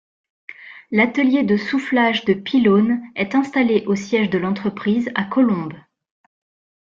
L’atelier de soufflage de Pylones est installé au siège de l’entreprise à Colombes.